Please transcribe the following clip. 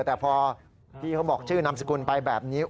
แต่พอพี่เขาบอกชื่อนามสกุลไปแบบนี้